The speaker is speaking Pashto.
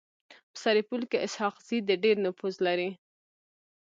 په سرپل کي اسحق زي د ډير نفوذ لري.